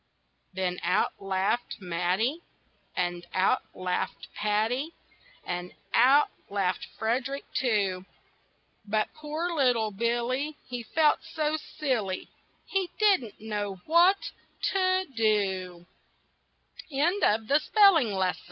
Then out laughed Matty, And out laughed Patty, And out laughed Frederick, too; But poor little Billy, He felt so silly, He didn't know, what—TO—DO!!! THE PERSON WHO DID NOT LIKE CATS.